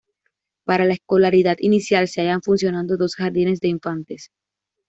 Para la escolaridad inicial, se hallan funcionando dos jardines de infantes.